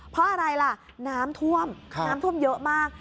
เพราะอะไรล่ะน้ำท่วมน้ำท่วมเยอะมาก